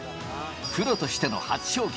プロとしての初賞金